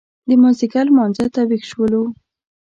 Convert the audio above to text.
د مازیګر لمانځه ته وېښ شولو.